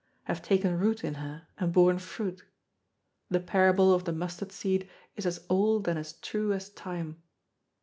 have taken root in her and borne fruit. The parable of the mustard seed is as old and as true as time.